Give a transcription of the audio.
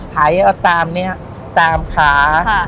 ขายออกตามนี้ตามขา